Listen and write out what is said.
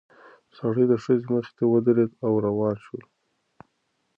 سړی د ښځې مخې ته ودرېد او روان شول.